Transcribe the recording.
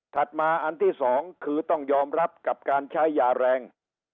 มาอันที่สองคือต้องยอมรับกับการใช้ยาแรง